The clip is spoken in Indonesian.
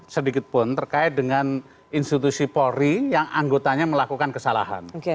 sedikitpun terkait dengan institusi polri yang anggotanya melakukan kesalahan